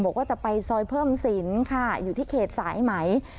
บอกว่าจะไปซอยเพิ่มศิลป์ค่ะอยู่ที่เขตสายไหม